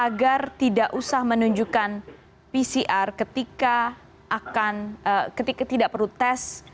agar tidak usah menunjukkan pcr ketika tidak perlu tes